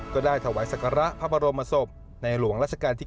ก็ได้ถวายศักระพระบรมศพในหลวงราชการที่๙